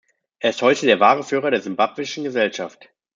Er ist heute der wahre Führer der simbabwischen Gesellschaft.